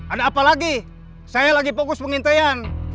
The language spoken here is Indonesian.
ada apa lagi saya lagi fokus pengintaian